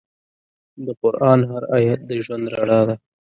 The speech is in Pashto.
د قرآن هر آیت د ژوند رڼا ده.